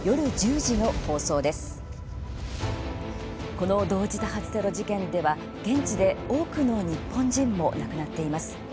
この同時多発テロ事件では現地で多くの日本人も亡くなっています。